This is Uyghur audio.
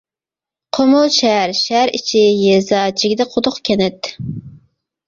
قومۇل شەھەر شەھەر ئىچى يېزا جىگدە قۇدۇق كەنت.